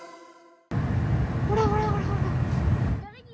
ほらほらほらほら。